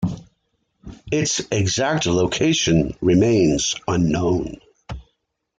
Its exact location remains unknown.